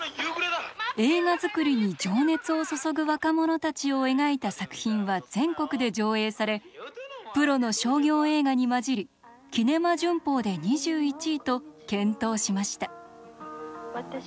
映画作りに情熱を注ぐ若者たちを描いた作品は全国で上映されプロの商業映画に交じり「キネマ旬報」で２１位と健闘しました。